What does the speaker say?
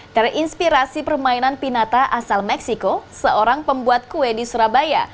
terinspirasi permainan pinata asal meksiko seorang pembuat kue di surabaya